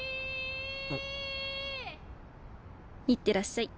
あっ。いってらっしゃい。